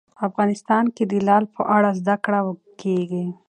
افغانستان کې د لعل په اړه زده کړه کېږي.